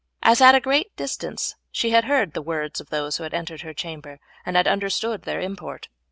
As at a great distance she had heard the words of those who entered her chamber, and had understood their import.